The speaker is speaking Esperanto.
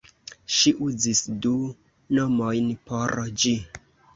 Ŝi uzis du nomojn por ĝi.